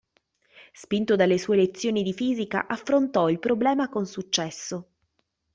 Spinto dalle sue lezioni di fisica affrontò il problema con successo.